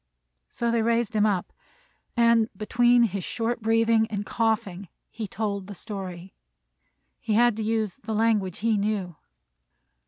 So they raised him up, and, between his short breathing and coughing, he told the story. He had to use the language he knew.